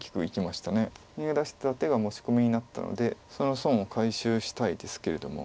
逃げ出した手が持ち込みになったのでその損を回収したいですけれども。